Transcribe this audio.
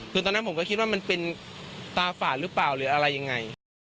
คือตอนนั้นผมก็คิดว่ามันเป็นตาฝาดหรือเปล่าหรืออะไรยังไง